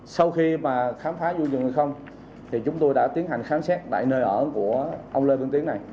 sau khi mà khám phá vũ trường này không thì chúng tôi đã tiến hành khám xét tại nơi ở của ông lê văn tiến này